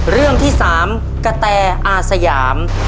เรื่องที่๓กะแตอาสยาม